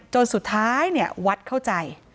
จนสุดท้ายวัดเข้าใจ